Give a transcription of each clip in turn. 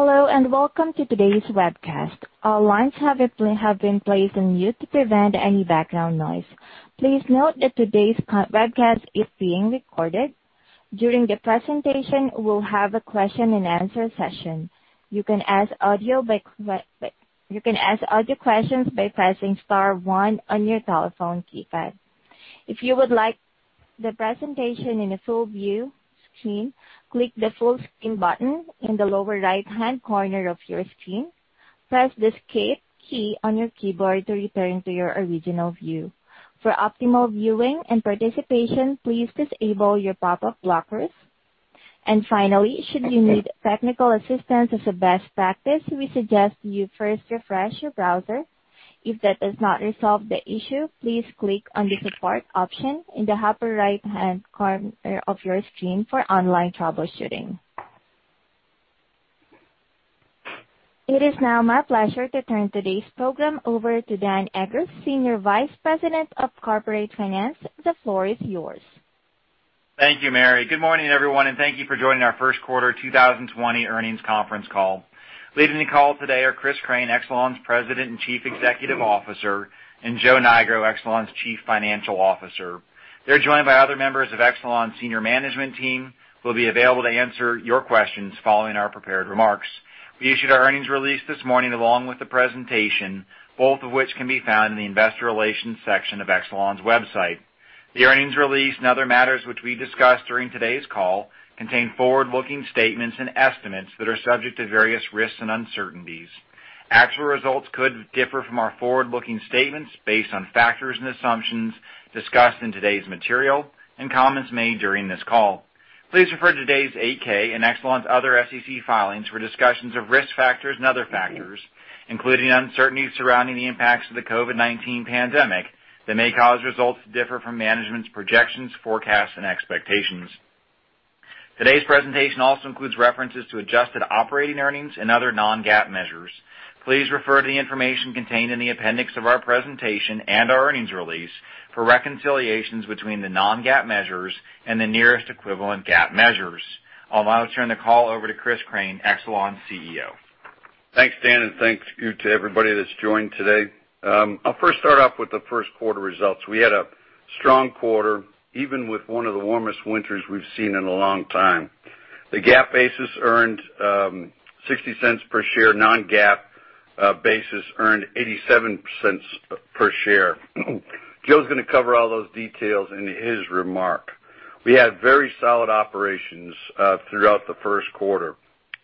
Hello, and welcome to today's webcast. All lines have been placed on mute to prevent any background noise. Please note that today's webcast is being recorded. During the presentation, we'll have a question and answer session. You can ask audio questions by pressing star one on your telephone keypad. If you would like the presentation in a full-view screen, click the full screen button in the lower right-hand corner of your screen. Press the Escape key on your keyboard to return to your original view. For optimal viewing and participation, please disable your pop-up blockers. Finally, should you need technical assistance, as a best practice, we suggest you first refresh your browser. If that does not resolve the issue, please click on the support option in the upper right-hand corner of your screen for online troubleshooting. It is now my pleasure to turn today's program over to Dan Eggers, Senior Vice President of Corporate Finance. The floor is yours. Thank you, Mary. Good morning, everyone, and thank you for joining our first quarter 2020 earnings conference call. Leading the call today are Chris Crane, Exelon's President and Chief Executive Officer, and Joe Nigro, Exelon's Chief Financial Officer. They're joined by other members of Exelon's senior management team, who will be available to answer your questions following our prepared remarks. We issued our earnings release this morning along with the presentation, both of which can be found in the investor relations section of Exelon's website. The earnings release and other matters which we discuss during today's call contain forward-looking statements and estimates that are subject to various risks and uncertainties. Actual results could differ from our forward-looking statements based on factors and assumptions discussed in today's material and comments made during this call. Please refer to today's 8-K and Exelon's other SEC filings for discussions of risk factors and other factors, including uncertainties surrounding the impacts of the COVID-19 pandemic that may cause results to differ from management's projections, forecasts, and expectations. Today's presentation also includes references to adjusted operating earnings and other non-GAAP measures. Please refer to the information contained in the appendix of our presentation and our earnings release for reconciliations between the non-GAAP measures and the nearest equivalent GAAP measures. I'll now turn the call over to Chris Crane, Exelon's CEO. Thanks, Dan, thanks to everybody that's joined today. I'll first start off with the first quarter results. We had a strong quarter, even with one of the warmest winters we've seen in a long time. The GAAP basis earned $0.60 per share. Non-GAAP basis earned $0.87 per share. Joe's going to cover all those details in his remark. We had very solid operations throughout the first quarter.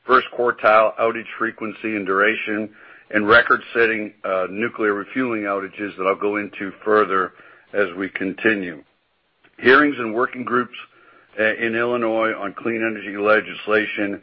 First quartile outage frequency and duration and record-setting nuclear refueling outages that I'll go into further as we continue. Hearings and working groups, in Illinois on clean energy legislation,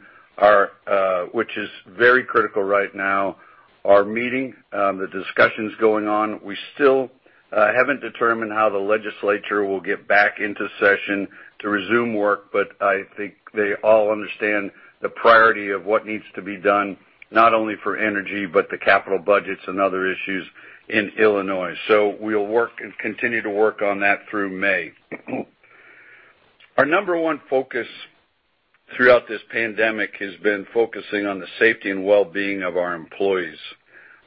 which is very critical right now, are meeting. The discussion's going on. We still haven't determined how the legislature will get back into session to resume work, but I think they all understand the priority of what needs to be done not only for energy, but the capital budgets and other issues in Illinois. We'll work and continue to work on that through May. Our number one focus throughout this pandemic has been focusing on the safety and well-being of our employees.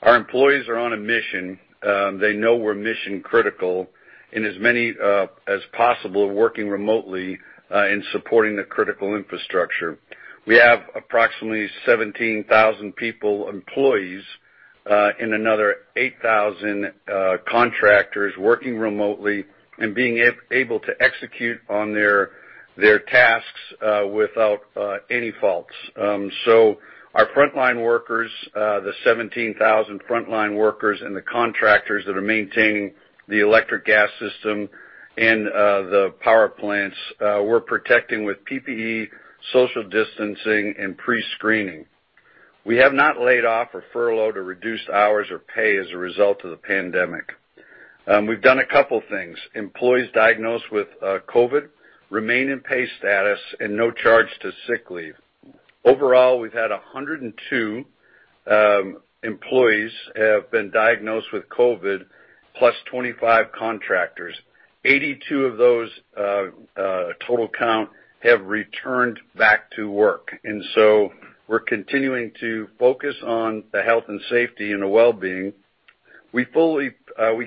Our employees are on a mission. They know we're mission-critical in as many as possible, working remotely, in supporting the critical infrastructure. We have approximately 17,000 people, employees, and another 8,000 contractors working remotely and being able to execute on their tasks without any faults. Our frontline workers, the 17,000 frontline workers and the contractors that are maintaining the electric gas system and the power plants we're protecting with PPE, social distancing, and pre-screening. We have not laid off or furloughed or reduced hours or pay as a result of the pandemic. We've done a couple things. Employees diagnosed with COVID-19 remain in pay status and no charge to sick leave. Overall, we've had 102 employees have been diagnosed with COVID-19, +25 contractors. 82 of those, total count, have returned back to work. We're continuing to focus on the health and safety and the well-being. We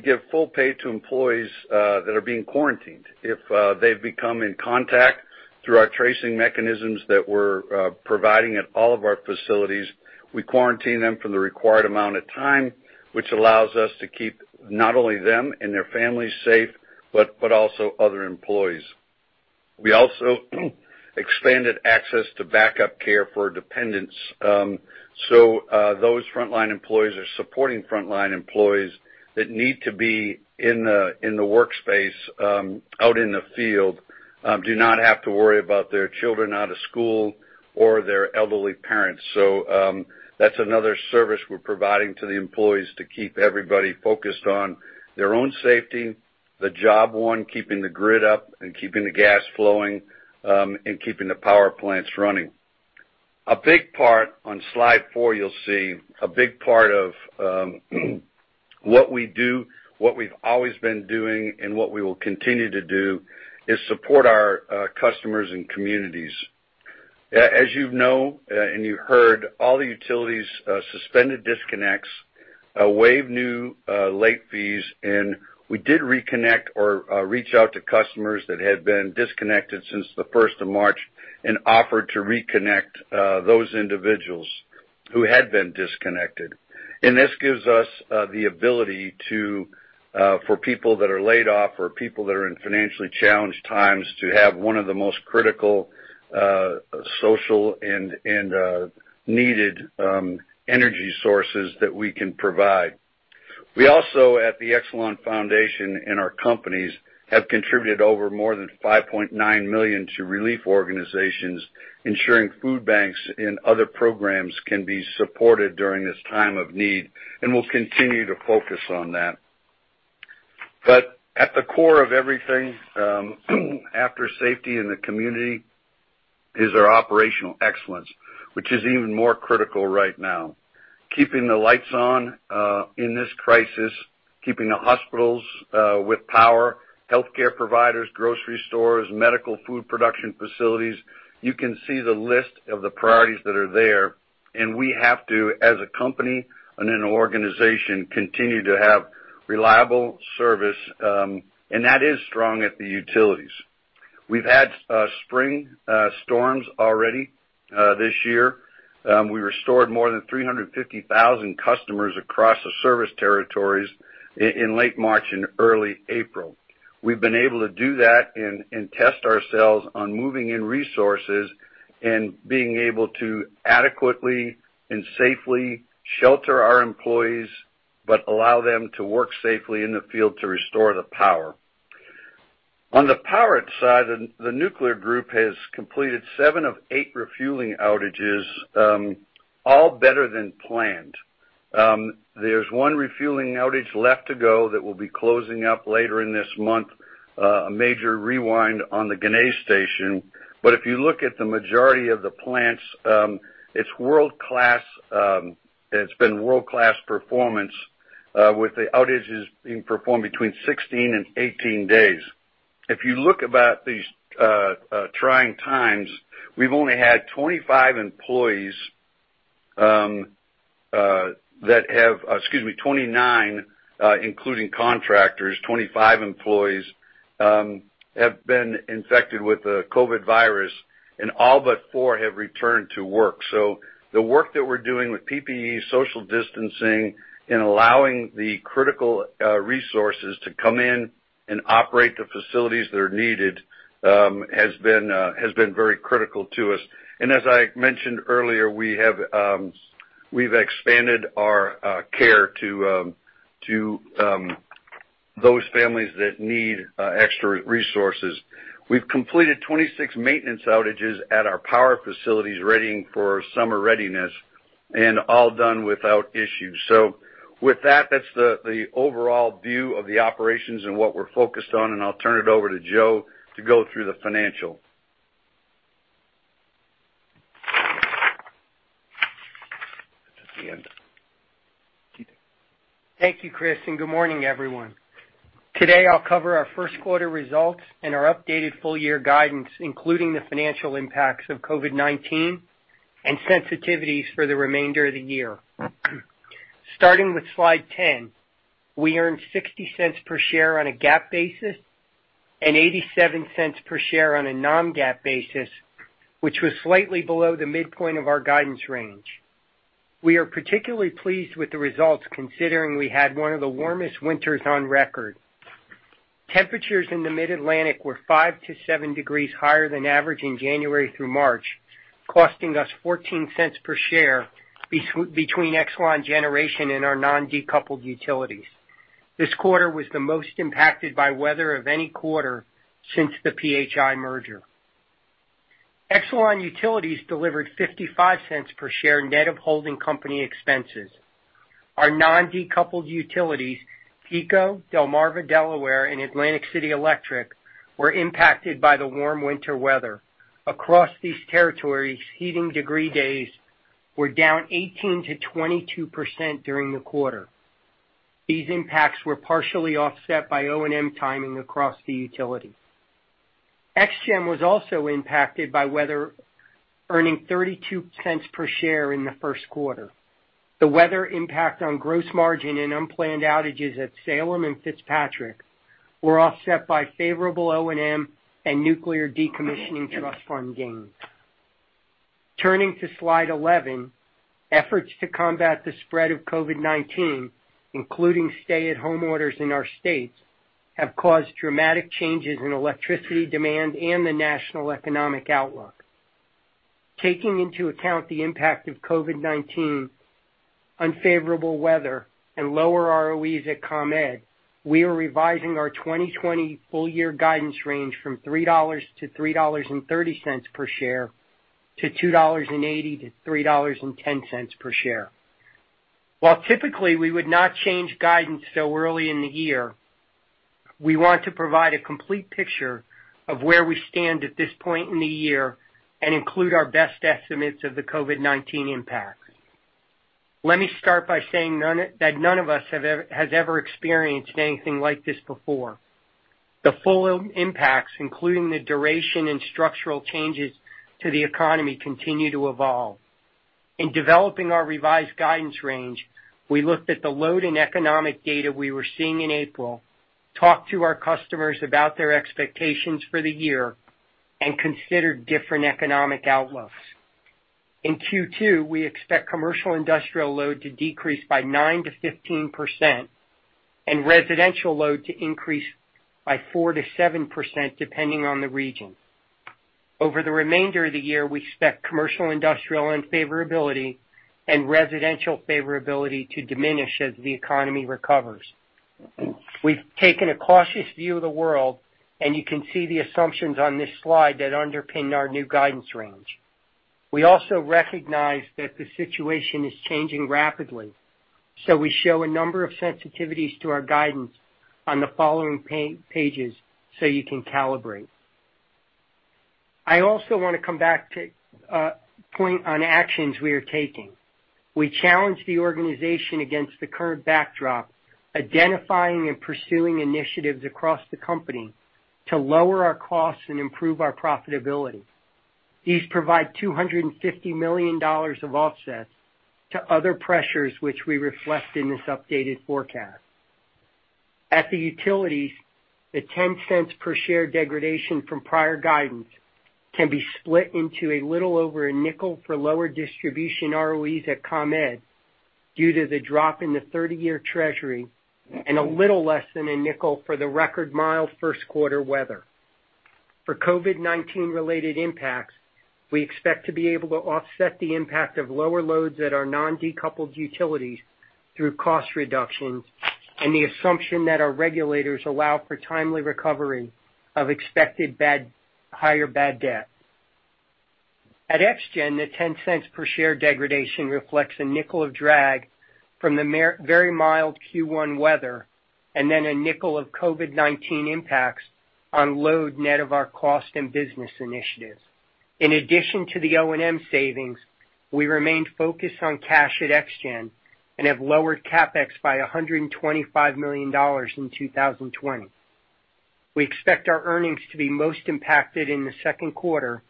give full pay to employees that are being quarantined. If they've come in contact through our tracing mechanisms that we're providing at all of our facilities, we quarantine them for the required amount of time, which allows us to keep not only them and their families safe, but also other employees. We also expanded access to backup care for dependents. Those frontline employees are supporting frontline employees that need to be in the workspace out in the field, do not have to worry about their children out of school or their elderly parents. That's another service we're providing to the employees to keep everybody focused on their own safety, the job one, keeping the grid up and keeping the gas flowing, and keeping the power plants running. A big part, on slide four you'll see, a big part of what we do, what we've always been doing, and what we will continue to do is support our customers and communities. You know and you heard, all the utilities suspended disconnects, waived new late fees, and we did reconnect or reach out to customers that had been disconnected since the 1st of March and offered to reconnect those individuals who had been disconnected. This gives us the ability for people that are laid off or people that are in financially challenged times to have one of the most critical social and needed energy sources that we can provide. We also, at the Exelon Foundation and our companies, have contributed over more than $5.9 million to relief organizations, ensuring food banks and other programs can be supported during this time of need. We'll continue to focus on that. At the core of everything, after safety and the community, is our operational excellence, which is even more critical right now. Keeping the lights on in this crisis, keeping the hospitals with power, healthcare providers, grocery stores, medical food production facilities. You can see the list of the priorities that are there. We have to, as a company and an organization, continue to have reliable service. That is strong at the utilities. We've had spring storms already this year. We restored more than 350,000 customers across the service territories in late March and early April. We've been able to do that and test ourselves on moving in resources and being able to adequately and safely shelter our employees, but allow them to work safely in the field to restore the power. On the power side, the nuclear group has completed seven of eight refueling outages, all better than planned. There's one refueling outage left to go that will be closing up later in this month, a major rewind on the Ginna station. If you look at the majority of the plants, it's been world-class performance with the outages being performed between 16 and 18 days. If you look about these trying times, we've only had 29, including contractors, 25 employees, have been infected with the COVID virus, and all but four have returned to work. The work that we're doing with PPE, social distancing, and allowing the critical resources to come in and operate the facilities that are needed has been very critical to us. As I mentioned earlier, we've expanded our care to those families that need extra resources. We've completed 26 maintenance outages at our power facilities, readying for summer readiness, and all done without issue. With that's the overall view of the operations and what we're focused on, and I'll turn it over to Joe to go through the financial. That's the end. Thank you, Chris. Good morning, everyone. Today, I'll cover our first quarter results and our updated full-year guidance, including the financial impacts of COVID-19 and sensitivities for the remainder of the year. Starting with slide 10, we earned $0.60 per share on a GAAP basis and $0.87 per share on a non-GAAP basis, which was slightly below the midpoint of our guidance range. We are particularly pleased with the results considering we had one of the warmest winters on record. Temperatures in the Mid-Atlantic were 5-7 degrees higher than average in January through March, costing us $0.14 per share between Exelon Generation and our non-decoupled utilities. This quarter was the most impacted by weather of any quarter since the PHI merger. Exelon Utilities delivered $0.55 per share net of holding company expenses. Our non-decoupled utilities, PECO, Delmarva Power, and Atlantic City Electric, were impacted by the warm winter weather. Across these territories, heating degree days were down 18%-22% during the quarter. These impacts were partially offset by O&M timing across the utility. ExGen was also impacted by weather, earning $0.32 per share in the first quarter. The weather impact on gross margin and unplanned outages at Salem and FitzPatrick were offset by favorable O&M and nuclear decommissioning trust fund gains. Turning to slide 11, efforts to combat the spread of COVID-19, including stay-at-home orders in our states, have caused dramatic changes in electricity demand and the national economic outlook. Taking into account the impact of COVID-19, unfavorable weather, and lower ROEs at ComEd, we are revising our 2020 full-year guidance range from $3.00-$3.30 per share to $2.80-$3.10 per share. While typically we would not change guidance so early in the year. We want to provide a complete picture of where we stand at this point in the year and include our best estimates of the COVID-19 impact. Let me start by saying that none of us has ever experienced anything like this before. The full impacts, including the duration and structural changes to the economy, continue to evolve. In developing our revised guidance range, we looked at the load and economic data we were seeing in April, talked to our customers about their expectations for the year, and considered different economic outlooks. In Q2, we expect commercial industrial load to decrease by 9%-15% and residential load to increase by 4%-7%, depending on the region. Over the remainder of the year, we expect commercial, industrial unfavorability, and residential favorability to diminish as the economy recovers. We've taken a cautious view of the world. You can see the assumptions on this slide that underpin our new guidance range. We also recognize that the situation is changing rapidly. We show a number of sensitivities to our guidance on the following pages so you can calibrate. I also want to come back to a point on actions we are taking. We challenged the organization against the current backdrop, identifying and pursuing initiatives across the company to lower our costs and improve our profitability. These provide $250 million of offsets to other pressures, which we reflect in this updated forecast. At the utilities, the $0.10 per share degradation from prior guidance can be split into a little over $0.05 for lower distribution ROEs at ComEd due to the drop in the 30-year Treasury and a little less than $0.05 for the record mild first quarter weather. For COVID-19 related impacts, we expect to be able to offset the impact of lower loads at our non-decoupled utilities through cost reductions and the assumption that our regulators allow for timely recovery of expected higher bad debt. At ExGen, the $0.10 per share degradation reflects $0.05 of drag from the very mild Q1 weather and then $0.05 of COVID-19 impacts on load net of our cost and business initiatives. In addition to the O&M savings, we remain focused on cash at ExGen and have lowered CapEx by $125 million in 2020. We expect our earnings to be most impacted in the second quarter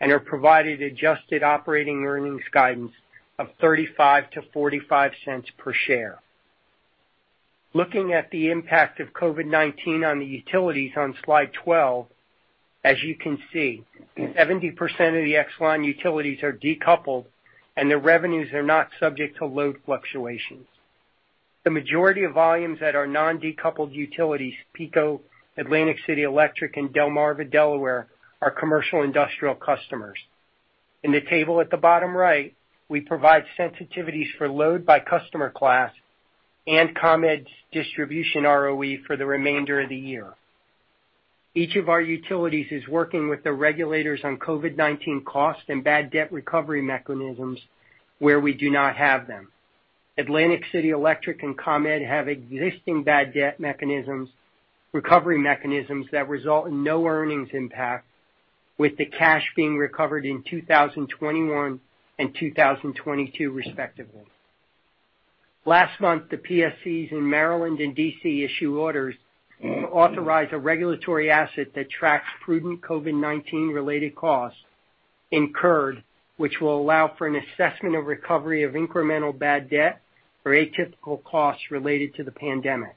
and have provided adjusted operating earnings guidance of $0.35-$0.45 per share. Looking at the impact of COVID-19 on the Utilities on slide 12, as you can see, 70% of the Exelon Utilities are decoupled and their revenues are not subject to load fluctuations. The majority of volumes at our non-decoupled utilities, PECO, Atlantic City Electric, and Delmarva, Delaware, are commercial industrial customers. In the table at the bottom right, we provide sensitivities for load by customer class and ComEd's distribution ROE for the remainder of the year. Each of our utilities is working with the regulators on COVID-19 cost and bad debt recovery mechanisms where we do not have them. Atlantic City Electric and ComEd have existing bad debt recovery mechanisms that result in no earnings impact, with the cash being recovered in 2021 and 2022, respectively. Last month, the PSCs in Maryland and D.C. issued orders to authorize a regulatory asset that tracks prudent COVID-19-related costs incurred, which will allow for an assessment of recovery of incremental bad debt or atypical costs related to the pandemic.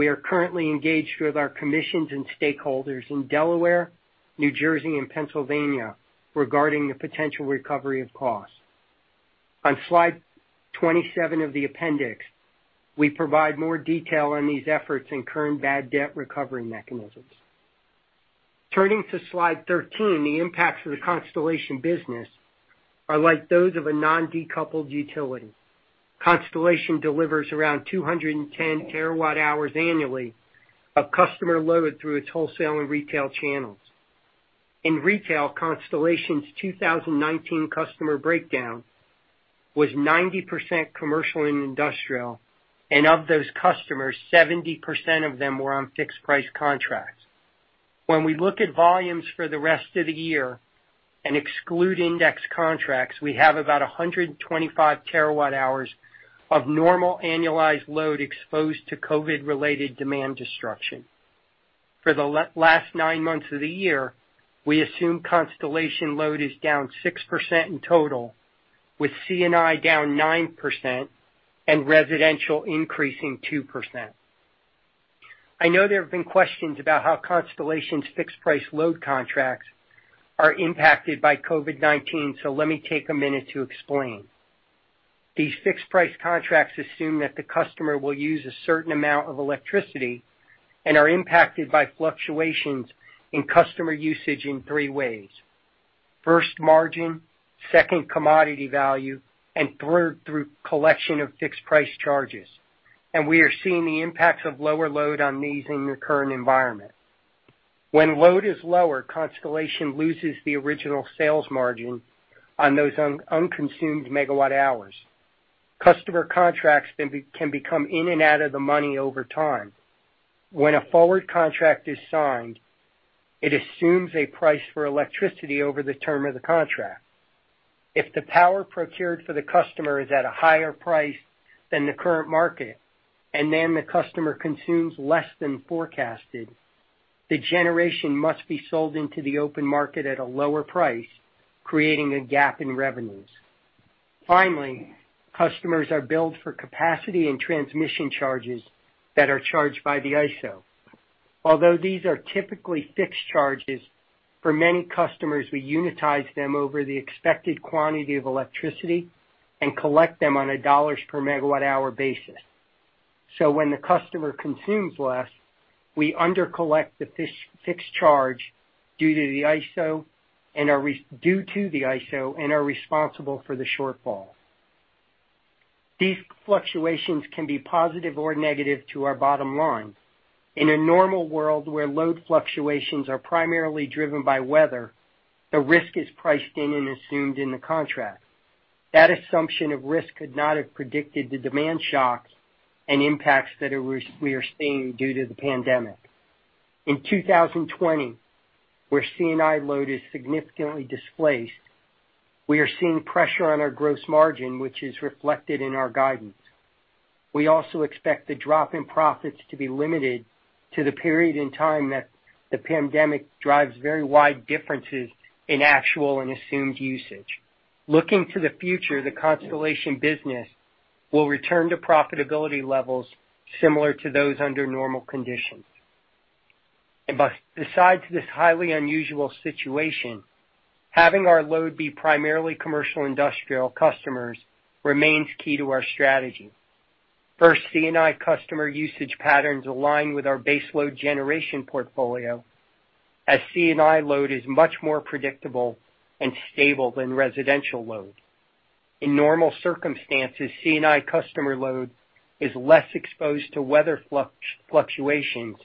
We are currently engaged with our commissions and stakeholders in Delaware, New Jersey, and Pennsylvania regarding the potential recovery of costs. On slide 27 of the appendix, we provide more detail on these efforts and current bad debt recovery mechanisms. Turning to slide 13, the impacts of the Constellation business are like those of a non-decoupled utility. Constellation delivers around 210 TWh annually of customer load through its wholesale and retail channels. In retail, Constellation's 2019 customer breakdown was 90% commercial and industrial, and of those customers, 70% of them were on fixed price contracts. When we look at volumes for the rest of the year and exclude index contracts, we have about 125 TWh of normal annualized load exposed to COVID-related demand destruction. For the last nine months of the year, we assume Constellation load is down 6% in total, with C&I down 9% and residential increasing 2%. I know there have been questions about how Constellation's fixed price load contracts are impacted by COVID-19, so let me take a minute to explain. These fixed price contracts assume that the customer will use a certain amount of electricity and are impacted by fluctuations in customer usage in three ways. First, margin, second, commodity value, and third, through collection of fixed price charges. We are seeing the impacts of lower load on these in the current environment. When load is lower, Constellation loses the original sales margin on those unconsumed megawatt-hours. Customer contracts can become in and out of the money over time. When a forward contract is signed, it assumes a price for electricity over the term of the contract. If the power procured for the customer is at a higher price than the current market, and then the customer consumes less than forecasted, the generation must be sold into the open market at a lower price, creating a gap in revenues. Finally, customers are billed for capacity and transmission charges that are charged by the ISO. Although these are typically fixed charges, for many customers, we unitize them over the expected quantity of electricity and collect them on a dollars per megawatt-hour basis. When the customer consumes less, we under-collect the fixed charge due to the ISO and are responsible for the shortfall. These fluctuations can be positive or negative to our bottom line. In a normal world, where load fluctuations are primarily driven by weather, the risk is priced in and assumed in the contract. That assumption of risk could not have predicted the demand shocks and impacts that we are seeing due to the pandemic. In 2020, where C&I load is significantly displaced, we are seeing pressure on our gross margin, which is reflected in our guidance. We also expect the drop in profits to be limited to the period in time that the pandemic drives very wide differences in actual and assumed usage. Looking to the future, the Constellation business will return to profitability levels similar to those under normal conditions. Besides this highly unusual situation, having our load be primarily commercial industrial customers remains key to our strategy. First, C&I customer usage patterns align with our base load generation portfolio, as C&I load is much more predictable and stable than residential load. In normal circumstances, C&I customer load is less exposed to weather fluctuations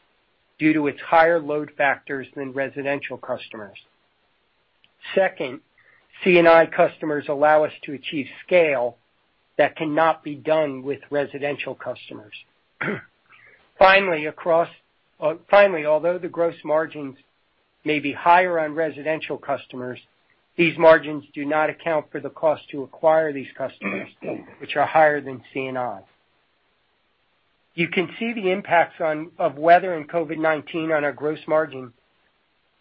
due to its higher load factors than residential customers. Second, C&I customers allow us to achieve scale that cannot be done with residential customers. Finally, although the gross margins may be higher on residential customers, these margins do not account for the cost to acquire these customers which are higher than C&I. You can see the impacts of weather and COVID-19 on our gross margin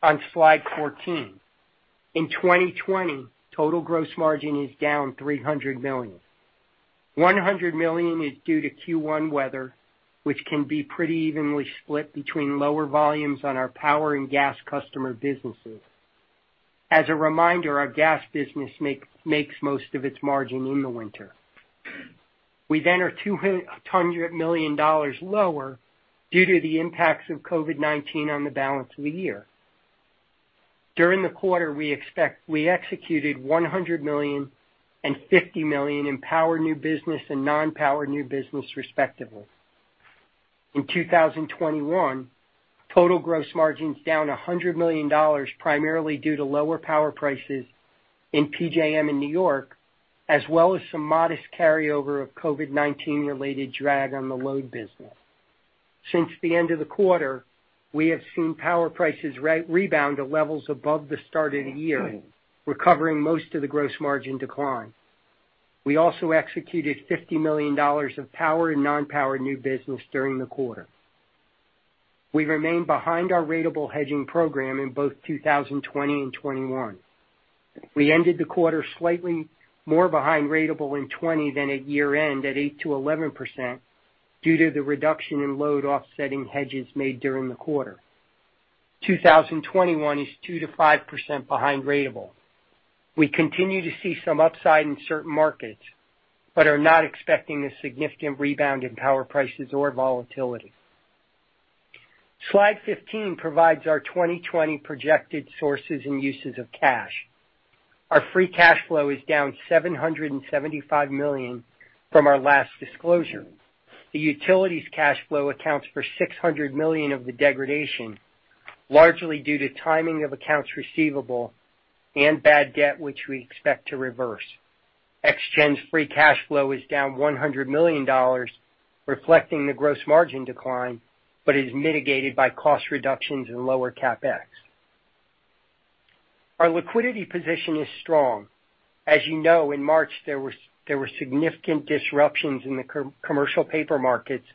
on slide 14. In 2020, total gross margin is down $300 million. $100 million is due to Q1 weather, which can be pretty evenly split between lower volumes on our power and gas customer businesses. As a reminder, our gas business makes most of its margin in the winter. We are $200 million lower due to the impacts of COVID-19 on the balance of the year. During the quarter, we executed $100 million and $50 million in power new business and non-power new business, respectively. In 2021, total gross margin is down $100 million, primarily due to lower power prices in PJM in New York, as well as some modest carryover of COVID-19 related drag on the load business. Since the end of the quarter, we have seen power prices rebound to levels above the start of the year, recovering most of the gross margin decline. We also executed $50 million of power and non-power new business during the quarter. We remain behind our ratable hedging program in both 2020 and 2021. We ended the quarter slightly more behind ratable in 2020 than at year-end, at 8%-11%, due to the reduction in load offsetting hedges made during the quarter. 2021 is 2%-5% behind ratable. We continue to see some upside in certain markets but are not expecting a significant rebound in power prices or volatility. Slide 15 provides our 2020 projected sources and uses of cash. Our free cash flow is down $775 million from our last disclosure. The utilities cash flow accounts for $600 million of the degradation, largely due to timing of accounts receivable and bad debt, which we expect to reverse. ExGen's free cash flow is down $100 million, reflecting the gross margin decline, but is mitigated by cost reductions in lower CapEx. Our liquidity position is strong. As you know, in March, there were significant disruptions in the commercial paper markets,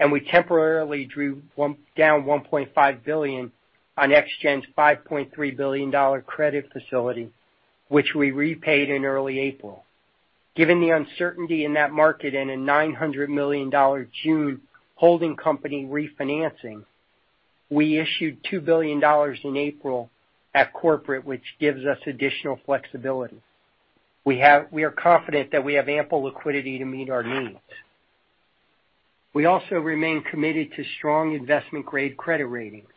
and we temporarily drew down $1.5 billion on ExGen's $5.3 billion credit facility, which we repaid in early April. Given the uncertainty in that market and a $900 million June holding company refinancing, we issued $2 billion in April at corporate, which gives us additional flexibility. We are confident that we have ample liquidity to meet our needs. We also remain committed to strong investment-grade credit ratings.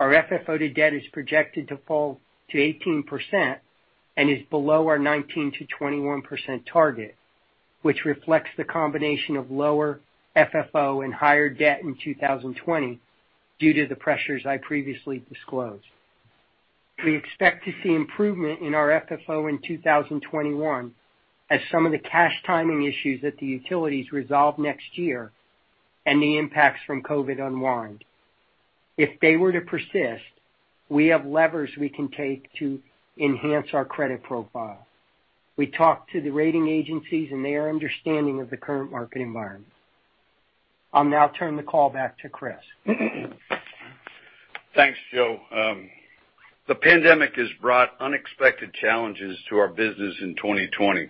Our FFO to debt is projected to fall to 18% and is below our 19%-21% target. Which reflects the combination of lower FFO and higher debt in 2020 due to the pressures I previously disclosed. We expect to see improvement in our FFO in 2021 as some of the cash timing issues that the utilities resolve next year and the impacts from COVID unwind. If they were to persist, we have levers we can take to enhance our credit profile. We talked to the rating agencies, and they are understanding of the current market environment. I'll now turn the call back to Chris. Thanks, Joe. The pandemic has brought unexpected challenges to our business in 2020.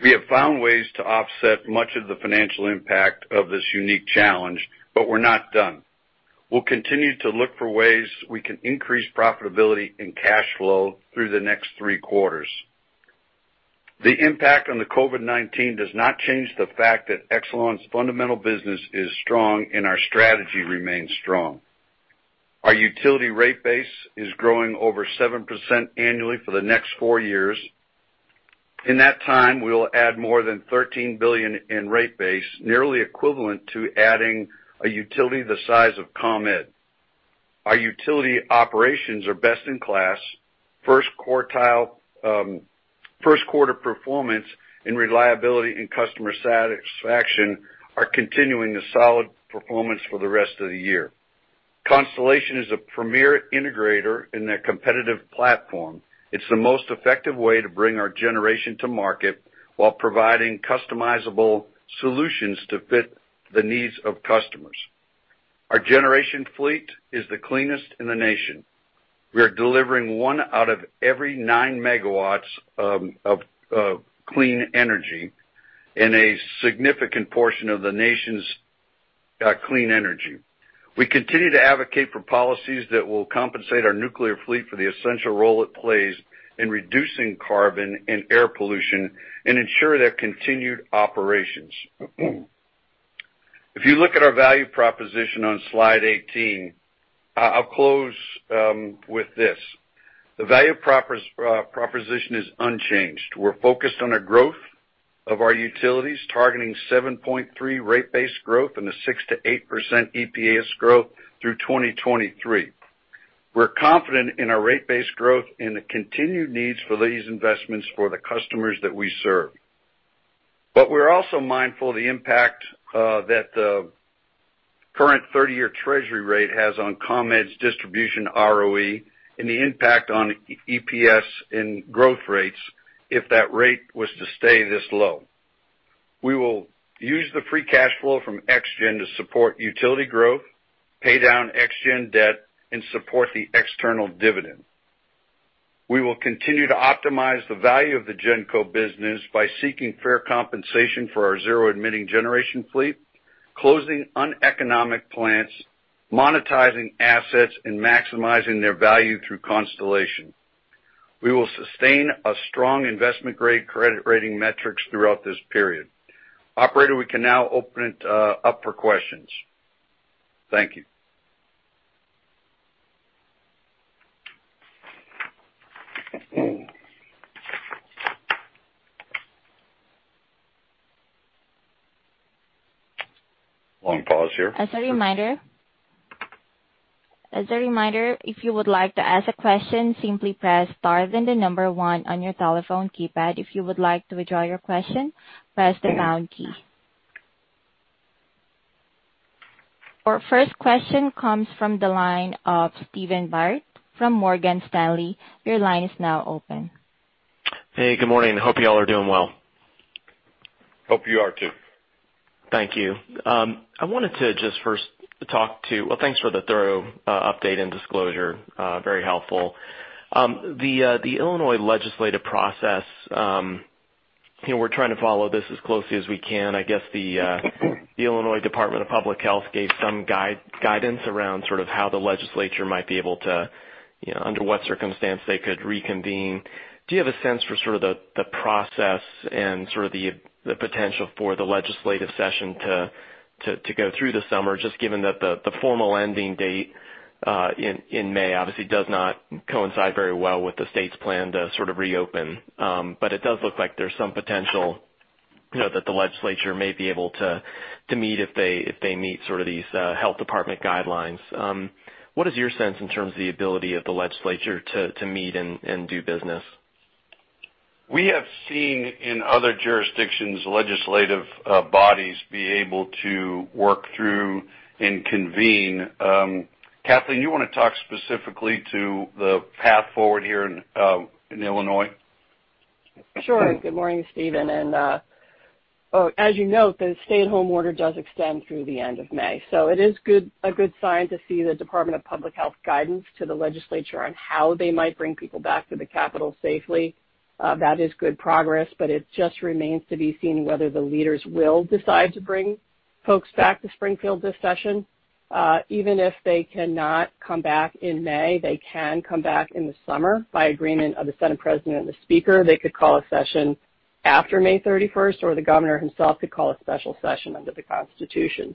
We have found ways to offset much of the financial impact of this unique challenge, we're not done. We'll continue to look for ways we can increase profitability and cash flow through the next three quarters. The impact on the COVID-19 does not change the fact that Exelon's fundamental business is strong and our strategy remains strong. Our utility rate base is growing over 7% annually for the next four years. In that time, we will add more than $13 billion in rate base, nearly equivalent to adding a utility the size of ComEd. Our utility operations are best-in-class. First quarter performance in reliability and customer satisfaction are continuing the solid performance for the rest of the year. Constellation is a premier integrator in a competitive platform. It's the most effective way to bring our generation to market while providing customizable solutions to fit the needs of customers. Our generation fleet is the cleanest in the nation. We are delivering one out of every nine megawatts of clean energy in a significant portion of the nation's clean energy. We continue to advocate for policies that will compensate our nuclear fleet for the essential role it plays in reducing carbon and air pollution and ensure their continued operations. If you look at our value proposition on slide 18, I'll close with this. The value proposition is unchanged. We're focused on the growth of our utilities, targeting 7.3% rate base growth and a 6%-8% EPS growth through 2023. We're confident in our rate base growth and the continued needs for these investments for the customers that we serve. We're also mindful of the impact that the current 30-year Treasury rate has on ComEd's distribution ROE and the impact on EPS and growth rates if that rate was to stay this low. We will use the free cash flow from ExGen to support utility growth, pay down ExGen debt, and support the external dividend. We will continue to optimize the value of the GenCo business by seeking fair compensation for our zero-emitting generation fleet, closing uneconomic plants, monetizing assets, and maximizing their value through Constellation. We will sustain a strong investment-grade credit rating metrics throughout this period. Operator, we can now open it up for questions. Thank you. As a reminder, if you would like to ask a question, simply press star, then the number one on your telephone keypad. If you would like to withdraw your question, press the pound key. Our first question comes from the line of Stephen Byrd from Morgan Stanley. Your line is now open. Hey, good morning. Hope you all are doing well. Hope you are, too. Thank you. Well, thanks for the thorough update and disclosure. Very helpful. The Illinois legislative process, we're trying to follow this as closely as we can. I guess the Illinois Department of Public Health gave some guidance around sort of how the legislature might be able to, under what circumstance they could reconvene. Do you have a sense for sort of the process and sort of the potential for the legislative session to go through the summer, just given that the formal ending date in May obviously does not coincide very well with the state's plan to sort of reopen? It does look like there's some potential that the legislature may be able to meet if they meet sort of these health department guidelines. What is your sense in terms of the ability of the legislature to meet and do business? We have seen in other jurisdictions, legislative bodies be able to work through and convene. Kathleen, you want to talk specifically to the path forward here in Illinois? Sure. Good morning, Stephen. As you note, the stay-at-home order does extend through the end of May. It is a good sign to see the Department of Public Health guidance to the legislature on how they might bring people back to the Capitol safely. That is good progress, but it just remains to be seen whether the leaders will decide to bring folks back to Springfield this session. Even if they cannot come back in May, they can come back in the summer by agreement of the Senate President and the Speaker. They could call a session after May 31st, or the governor himself could call a special session under the Constitution.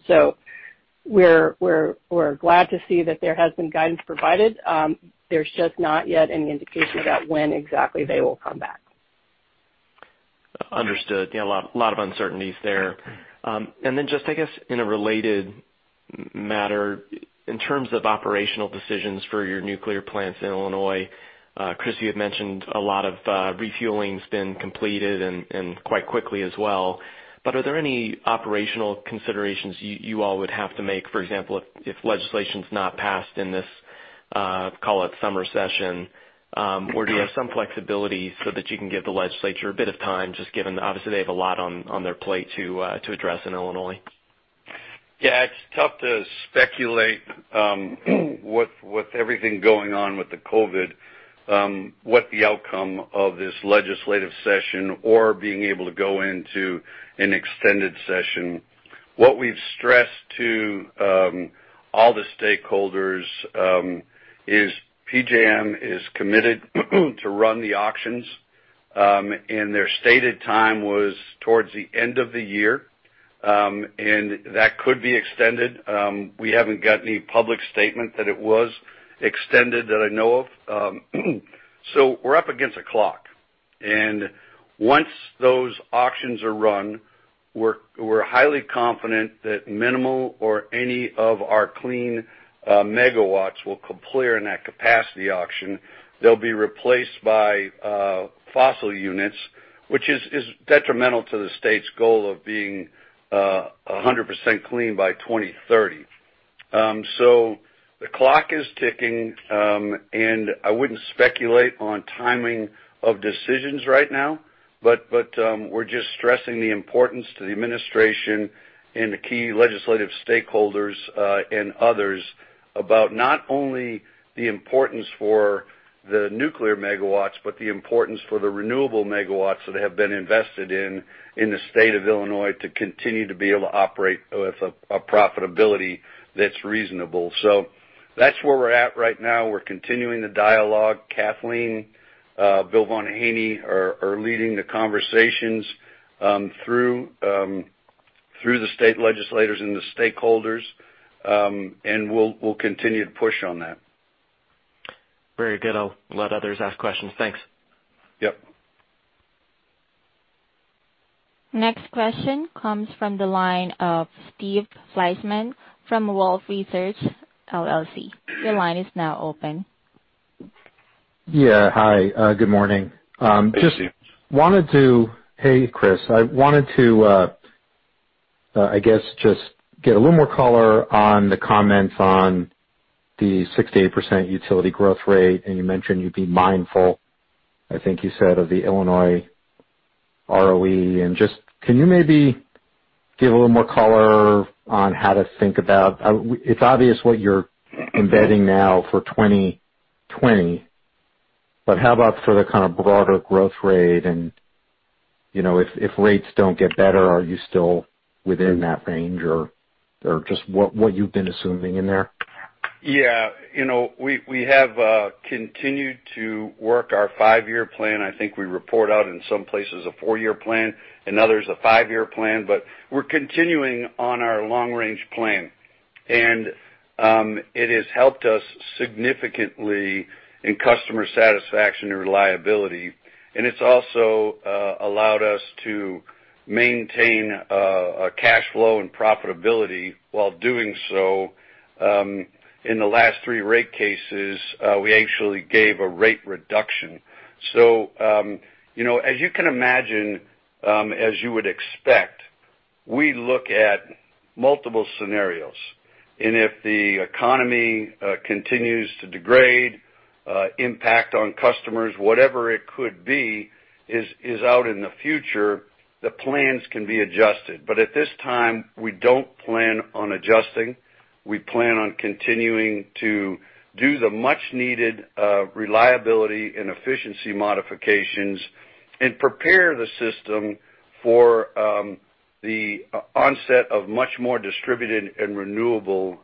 We're glad to see that there has been guidance provided. There's just not yet any indication about when exactly they will come back. Understood. Yeah, a lot of uncertainties there. Then just, I guess, in a related matter, in terms of operational decisions for your nuclear plants in Illinois, Chris, you had mentioned a lot of refueling's been completed and quite quickly as well. Are there any operational considerations you all would have to make, for example, if legislation's not passed in this, call it, summer session? Do you have some flexibility so that you can give the legislature a bit of time, just given, obviously, they have a lot on their plate to address in Illinois? Yeah. It's tough to speculate, with everything going on with the COVID, what the outcome of this legislative session or being able to go into an extended session. What we've stressed to all the stakeholders, is PJM is committed to run the auctions. Their stated time was towards the end of the year, and that could be extended. We haven't got any public statement that it was extended that I know of. We're up against a clock. Once those auctions are run, we're highly confident that minimal or any of our clean megawatts will clear in that capacity auction. They'll be replaced by fossil units, which is detrimental to the state's goal of being 100% clean by 2030. The clock is ticking. I wouldn't speculate on timing of decisions right now, but we're just stressing the importance to the administration and the key legislative stakeholders, and others about not only the importance for the nuclear megawatts, but the importance for the renewable megawatts that have been invested in the state of Illinois to continue to be able to operate with a profitability that's reasonable. That's where we're at right now. We're continuing the dialogue. Kathleen, Bill Von Hoene are leading the conversations through the state legislators and the stakeholders. We'll continue to push on that. Very good. I'll let others ask questions. Thanks. Yep. Next question comes from the line of Steve Fleishman from Wolfe Research LLC. Your line is now open. Yeah. Hi. Good morning. Hey, Steve. Hey, Chris. I guess just get a little more color on the comments on the 6%-8% utility growth rate. You mentioned you'd be mindful, I think you said, of the Illinois ROE. Just can you maybe give a little more color on how to think about? It's obvious what you're embedding now for 2020, but how about for the kind of broader growth rate? If rates don't get better, are you still within that range or just what you've been assuming in there? We have continued to work our five-year plan. I think we report out in some places a four-year plan, in others, a five-year plan, we're continuing on our long-range plan. It has helped us significantly in customer satisfaction and reliability. It's also allowed us to maintain a cash flow and profitability while doing so. In the last three rate cases, we actually gave a rate reduction. As you can imagine, as you would expect, we look at multiple scenarios. If the economy continues to degrade, impact on customers, whatever it could be, is out in the future, the plans can be adjusted. At this time, we don't plan on adjusting. We plan on continuing to do the much needed reliability and efficiency modifications and prepare the system for the onset of much more distributed and renewable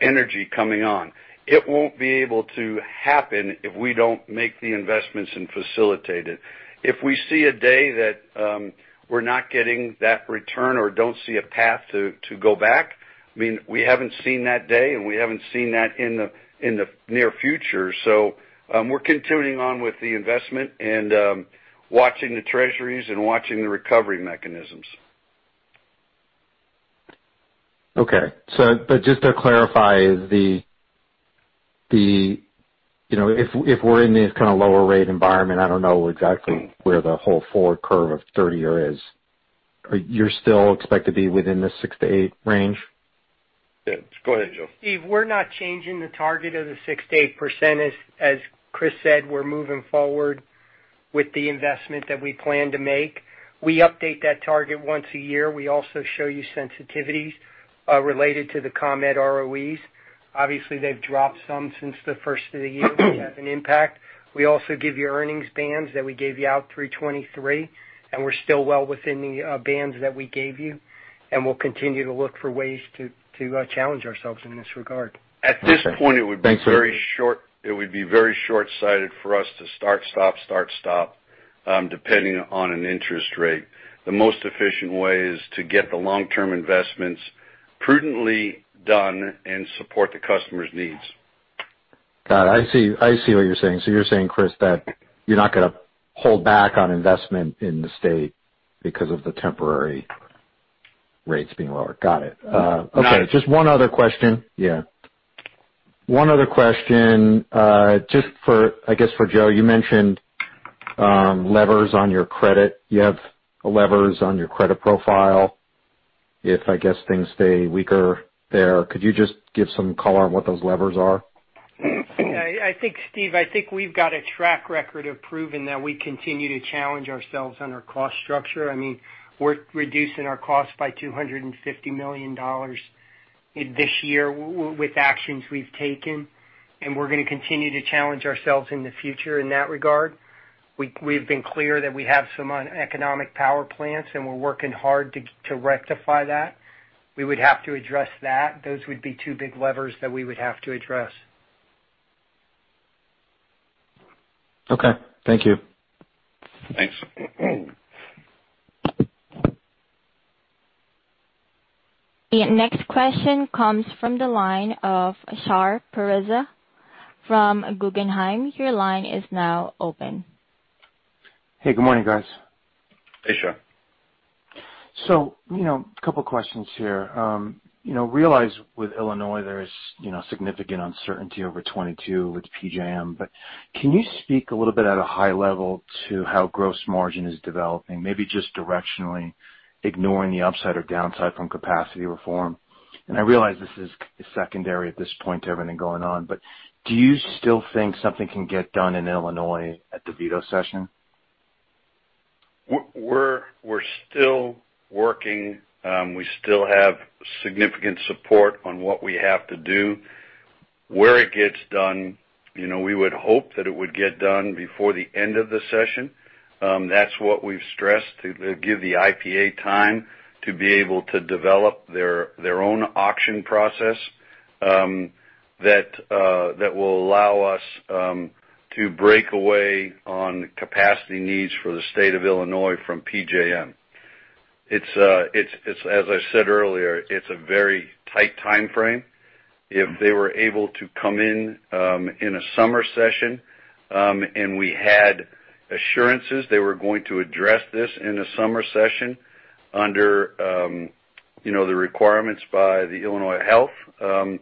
energy coming on. It won't be able to happen if we don't make the investments and facilitate it. If we see a day that we're not getting that return or don't see a path to go back, we haven't seen that day, and we haven't seen that in the near future. We're continuing on with the investment and watching the treasuries and watching the recovery mechanisms. Okay. Just to clarify, if we're in this kind of lower rate environment, I don't know exactly where the whole forward curve of 30-year is. You still expect to be within the 6%-8% range? Yeah. Go ahead, Joe. Steve, we're not changing the target of the 6%-8%. As Chris said, we're moving forward with the investment that we plan to make. We update that target once a year. We also show you sensitivities related to the ComEd ROEs. Obviously, they've dropped some since the first of the year, which has an impact. We also give you earnings bands that we gave you out through 2023, and we're still well within the bands that we gave you, and we'll continue to look for ways to challenge ourselves in this regard. Okay. Thanks. At this point, it would be very short-sighted for us to start, stop, depending on an interest rate. The most efficient way is to get the long-term investments prudently done and support the customer's needs. Got it. I see what you're saying. You're saying, Chris, that you're not going to hold back on investment in the state because of the temporary rates being lower? Got it. Got it. Okay, just one other question. Yeah. One other question, just, I guess, for Joe, you mentioned levers on your credit. You have levers on your credit profile if, I guess, things stay weaker there. Could you just give some color on what those levers are? I think, Steve, we've got a track record of proving that we continue to challenge ourselves on our cost structure. We're reducing our cost by $250 million this year with actions we've taken. We're going to continue to challenge ourselves in the future in that regard. We've been clear that we have some uneconomic power plants. We're working hard to rectify that. We would have to address that. Those would be two big levers that we would have to address. Okay, thank you. Thanks. The next question comes from the line of Shar Pourreza from Guggenheim. Your line is now open. Hey, good morning, guys. Hey, Shar. A couple of questions here. Realize with Illinois, there is significant uncertainty over 2022 with PJM. Can you speak a little bit at a high level to how gross margin is developing, maybe just directionally ignoring the upside or downside from capacity reform? I realize this is secondary at this point to everything going on, but do you still think something can get done in Illinois at the veto session? We're still working. We still have significant support on what we have to do. Where it gets done, we would hope that it would get done before the end of the session. That's what we've stressed to give the IPA time to be able to develop their own auction process that will allow us to break away on capacity needs for the state of Illinois from PJM. As I said earlier, it's a very tight timeframe. If they were able to come in in a summer session, and we had assurances they were going to address this in a summer session under the requirements by the Illinois Health,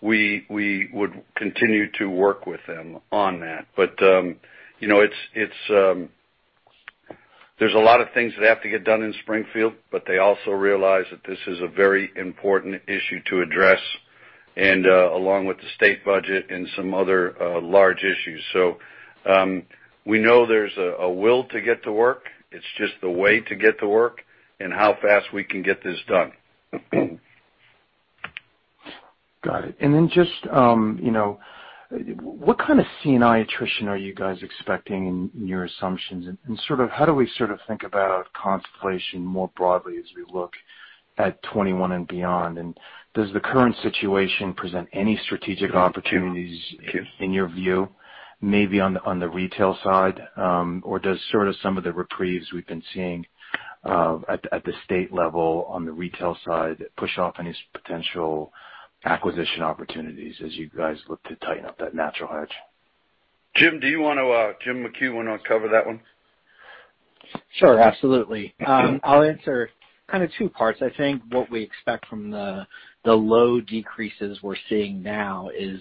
we would continue to work with them on that. There's a lot of things that have to get done in Springfield, but they also realize that this is a very important issue to address, and along with the state budget and some other large issues. We know there's a will to get to work. It's just the way to get to work and how fast we can get this done. Got it. Just what kind of C&I attrition are you guys expecting in your assumptions, and how do we sort of think about Constellation more broadly as we look at 2021 and beyond? Does the current situation present any strategic opportunities in your view, maybe on the retail side? Or does sort of some of the reprieves we've been seeing at the state level on the retail side push off any potential acquisition opportunities as you guys look to tighten up that natural hedge? Jim, do you want to, Jim McHugh want to cover that one? Sure, absolutely. I'll answer kind of two parts. I think what we expect from the load decreases we're seeing now is,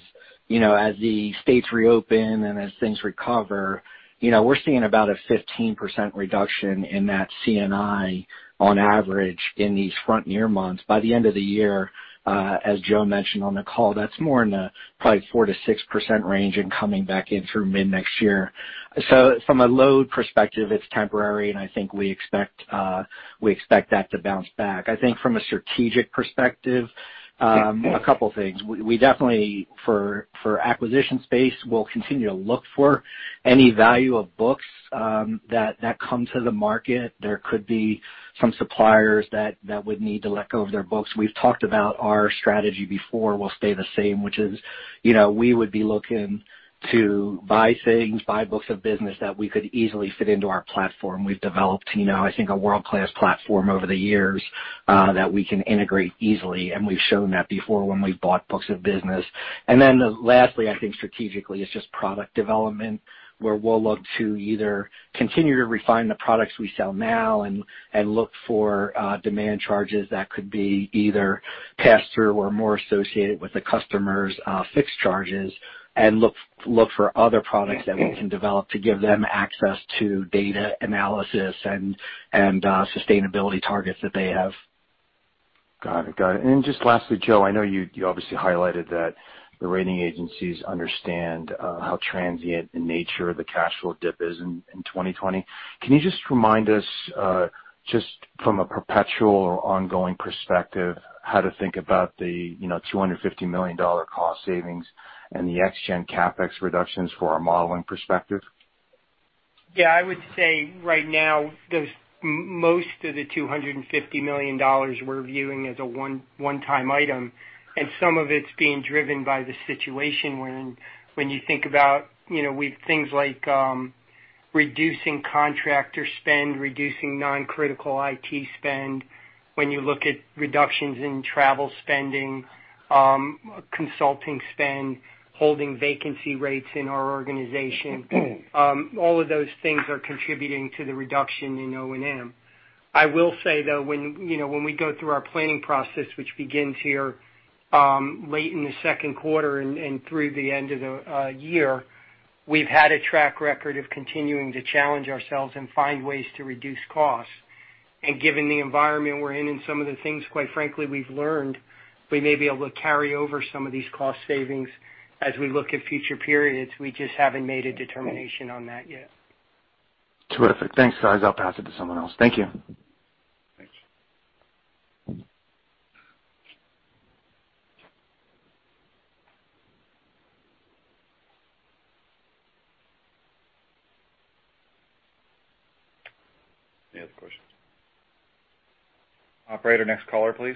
as the states reopen and as things recover, we're seeing about a 15% reduction in that C&I on average in these front-year months. By the end of the year, as Joe mentioned on the call, that's more in the probably 4%-6% range and coming back in through mid-next year. From a load perspective, it's temporary, and I think we expect that to bounce back. I think from a strategic perspective, a couple things. We definitely, for acquisition space, will continue to look for any value of books that come to the market. There could be some suppliers that would need to let go of their books. We've talked about our strategy before will stay the same, which is we would be looking to buy things, buy books of business that we could easily fit into our platform. We've developed I think a world-class platform over the years that we can integrate easily, we've shown that before when we've bought books of business. Then lastly, I think strategically, it's just product development, where we'll look to either continue to refine the products we sell now and look for demand charges that could be either passed through or more associated with the customer's fixed charges. Look for other products that we can develop to give them access to data analysis and sustainability targets that they have. Got it. Just lastly, Joe, I know you obviously highlighted that the rating agencies understand how transient in nature the cash flow dip is in 2020. Can you just remind us, just from a perpetual or ongoing perspective, how to think about the $250 million cost savings and the ExGen CapEx reductions for our modeling perspective? Yeah, I would say right now, most of the $250 million we're viewing as a one-time item, and some of it's being driven by the situation we're in. When you think about things like reducing contractor spend, reducing non-critical IT spend, when you look at reductions in travel spending, consulting spend, holding vacancy rates in our organization, all of those things are contributing to the reduction in O&M. I will say, though, when we go through our planning process, which begins here late in the second quarter and through the end of the year, we've had a track record of continuing to challenge ourselves and find ways to reduce costs. Given the environment we're in and some of the things, quite frankly, we've learned, we may be able to carry over some of these cost savings as we look at future periods. We just haven't made a determination on that yet. Terrific. Thanks, guys. I'll pass it to someone else. Thank you. Thanks. Any other questions? Operator, next caller, please.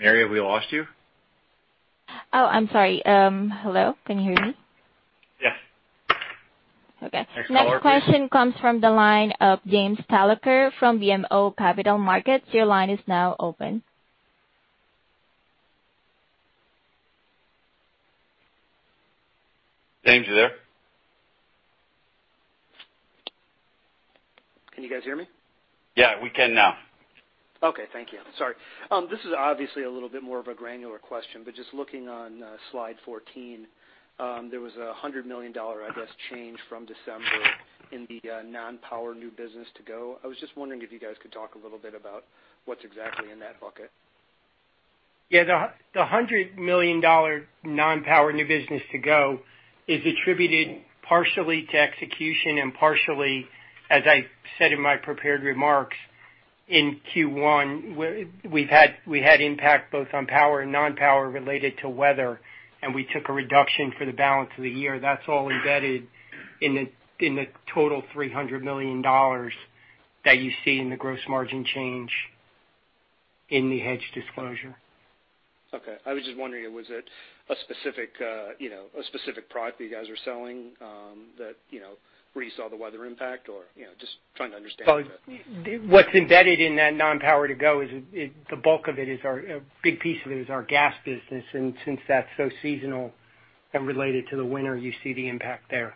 Mary, have we lost you? I'm sorry. Hello, can you hear me? Yes. Okay. Next caller, please. Next question comes from the line of James Thalacker from BMO Capital Markets. Your line is now open. James, you there? Can you guys hear me? Yeah, we can now. Okay, thank you. Sorry. This is obviously a little bit more of a granular question, but just looking on slide 14, there was $100 million, I guess, change from December in the non-power new business to-go. I was just wondering if you guys could talk a little bit about what is exactly in that bucket. Yeah. The $100 million non-power new business to-go is attributed partially to execution and partially, as I said in my prepared remarks, in Q1, we had impact both on power and non-power related to weather, and we took a reduction for the balance of the year. That's all embedded in the total $300 million that you see in the gross margin change in the hedge disclosure. Okay. I was just wondering if was it a specific product that you guys are selling where you saw the weather impact, or just trying to understand that? What's embedded in that non-power to-go is, a big piece of it, is our gas business. Since that's so seasonal and related to the winter, you see the impact there.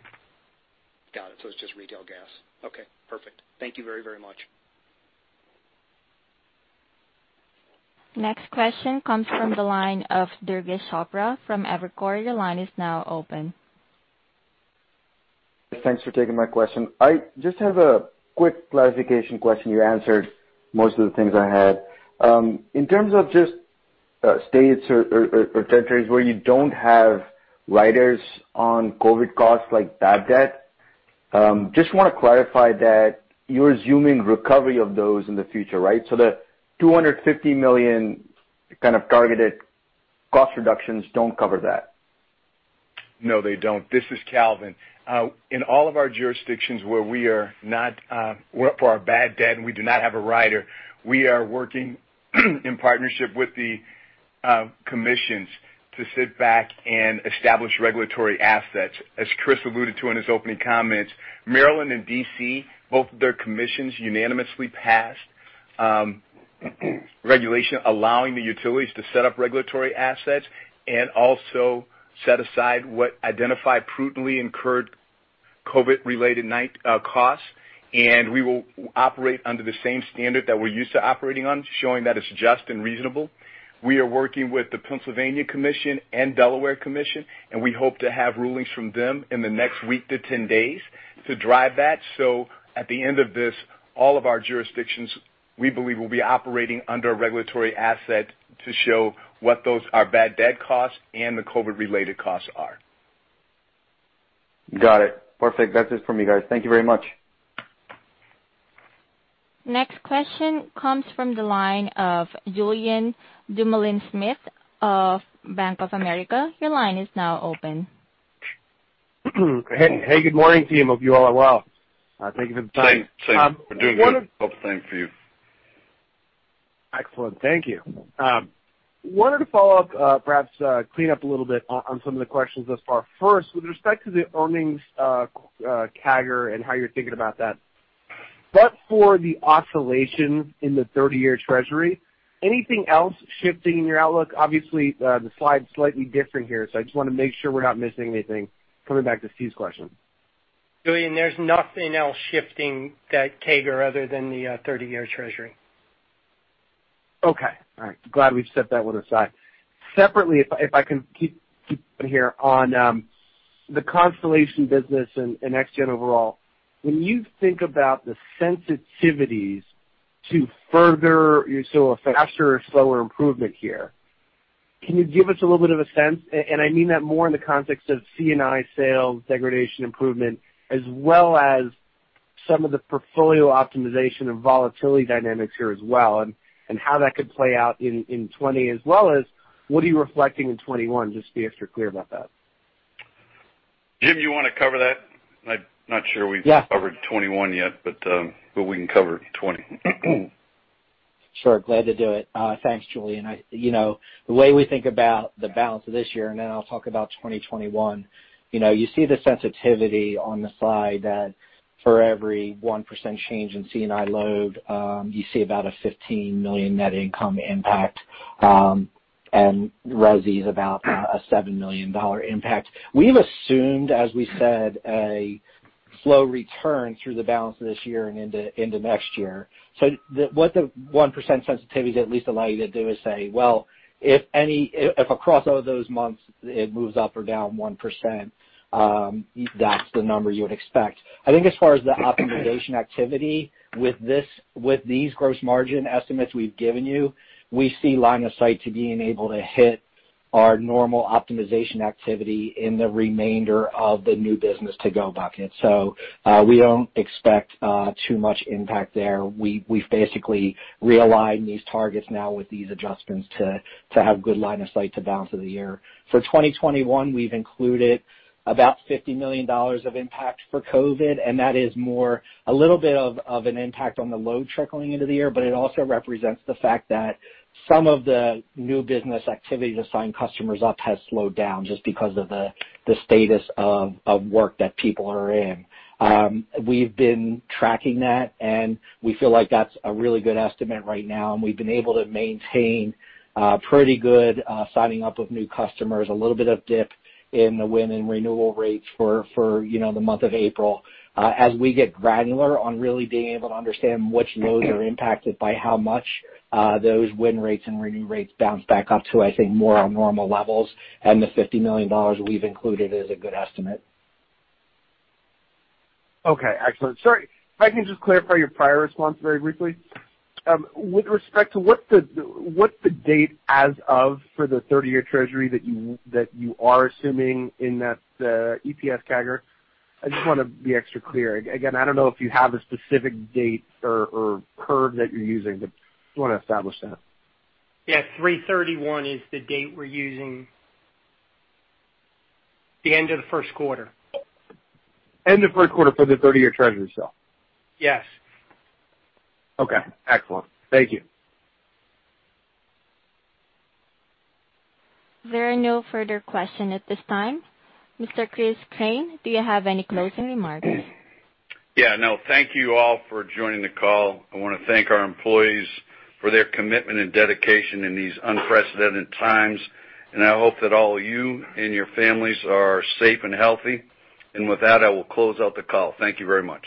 Got it. It's just retail gas. Okay, perfect. Thank you very much. Next question comes from the line of Durgesh Chopra from Evercore. Your line is now open. Thanks for taking my question. I just have a quick clarification question. You answered most of the things I had. In terms of just states or territories where you don't have riders on COVID-19 costs like bad debt, just want to clarify that you're assuming recovery of those in the future, right? The $250 million kind of targeted cost reductions don't cover that. No, they don't. This is Calvin. In all of our jurisdictions where for our bad debt, we do not have a rider, we are working in partnership with the commissions to sit back and establish regulatory assets. As Chris alluded to in his opening comments, Maryland and D.C., both of their commissions unanimously passed regulation allowing the utilities to set up regulatory assets and also set aside what identified prudently incurred COVID-related costs. We will operate under the same standard that we're used to operating on, showing that it's just and reasonable. We are working with the Pennsylvania Commission and Delaware Commission, we hope to have rulings from them in the next week to 10 days to drive that. At the end of this, all of our jurisdictions, we believe, will be operating under a regulatory asset to show what our bad debt costs and the COVID-related costs are. Got it. Perfect. That's it for me, guys. Thank you very much. Next question comes from the line of Julien Dumoulin-Smith of Bank of America. Your line is now open. Hey, good morning, team. Hope you all are well. Thank you for the time. Same. We're doing good. Hope the same for you. Excellent, thank you. I wanted to follow up, perhaps clean up a little bit on some of the questions thus far. First, with respect to the earnings CAGR and how you're thinking about that. For the oscillation in the 30-year Treasury, anything else shifting in your outlook? Obviously, the slide's slightly different here, so I just want to make sure we're not missing anything coming back to Steve's question. Julien, there's nothing else shifting that CAGR other than the 30-year Treasury. Okay. All right. Glad we've set that one aside. Separately, if I can keep going here on the Constellation business and ExGen overall. When you think about the sensitivities to further, so a faster or slower improvement here, can you give us a little bit of a sense? I mean that more in the context of C&I sales, degradation improvement, as well as some of the portfolio optimization and volatility dynamics here as well, and how that could play out in 2020. What are you reflecting in 2021? Just to be extra clear about that. Jim, do you want to cover that? I'm not sure. Yeah. Covered 2021 yet, but we can cover 2020. Sure. Glad to do it. Thanks, Julien. The way we think about the balance of this year, and then I'll talk about 2021. You see the sensitivity on the slide that for every 1% change in C&I load, you see about a $15 million net income impact, and resi's about a $7 million impact. We've assumed, as we said, a slow return through the balance of this year and into next year. What the 1% sensitivity at least allow you to do is say, well, if across all those months it moves up or down 1%, that's the number you would expect. I think as far as the optimization activity with these gross margin estimates we've given you, we see line of sight to being able to hit our normal optimization activity in the remainder of the new business to go bucket. We don't expect too much impact there. We've basically realigned these targets now with these adjustments to have good line of sight to balance of the year. For 2021, we've included about $50 million of impact for COVID-19, and that is more a little bit of an impact on the load trickling into the year, but it also represents the fact that some of the new business activity to sign customers up has slowed down just because of the status of work that people are in. We've been tracking that, and we feel like that's a really good estimate right now, and we've been able to maintain pretty good signing up of new customers. A little bit of dip in the win and renewal rates for the month of April. As we get granular on really being able to understand which loads are impacted by how much, those win rates and renew rates bounce back up to, I think, more on normal levels. The $50 million we've included is a good estimate. Okay, excellent. Sorry, if I can just clarify your prior response very briefly. With respect to what the date as of for the 30-year Treasury that you are assuming in that EPS CAGR? I just want to be extra clear. Again, I don't know if you have a specific date or curve that you're using, but just want to establish that. Yeah, 3/31 is the date we're using. The end of the first quarter. End of first quarter for the 30-year Treasury, so. Yes. Okay, excellent. Thank you. There are no further question at this time. Mr. Chris Crane, do you have any closing remarks? Yeah, no, thank you all for joining the call. I want to thank our employees for their commitment and dedication in these unprecedented times, and I hope that all of you and your families are safe and healthy. With that, I will close out the call. Thank you very much.